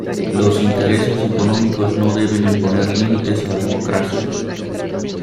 Los intereses económicos no deben imponer límites a la democracia.